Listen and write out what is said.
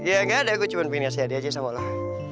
ya gak ada gue cuma pengen ngasih hadiah aja sama allah